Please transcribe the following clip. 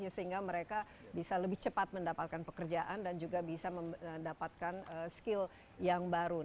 sehingga mereka bisa lebih cepat mendapatkan pekerjaan dan juga bisa mendapatkan skill yang baru